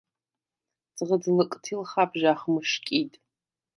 ძღჷდ ლჷკთილ ხაბჟახ მჷშკიდ.